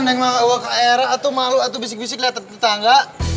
neng mau aku ke air atau mau lo bisik bisik liat tetangga